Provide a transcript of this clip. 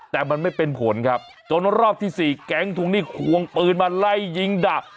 แต่มันไม่เป็นผลครับจนรอบที่๔แก๊งทวงหนี้ควงปืนมาไล่ยิงดับ